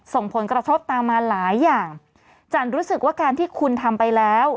ส่งผลกระทบตามมาหลายอย่างจันรู้สึกว่าการที่คุณทำไปแล้ว